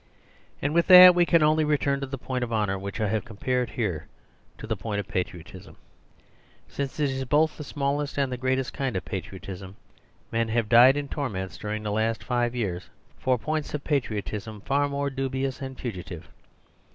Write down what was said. And with that we can only return to the point of honour which I have compared here to a point of patriotism; since it is both the small est and the greatest kind of patriotism. Men have died in torments during the last five years for points of patriotism far more dubious and fugitive.